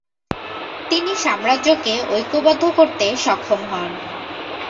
তিনি সাম্রাজ্যকে ঐক্যবদ্ধ করতে সক্ষম হন।